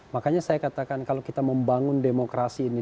makanya saya katakan kalau kita membangun demokrasi ini